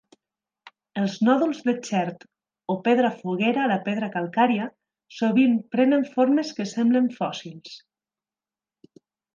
Els nòduls de chert o pedra foguera a la pedra calcària sovint prenen formes que semblen fòssils.